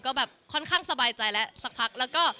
ก็ค่อนข้างสบายใจแล้วสักพัก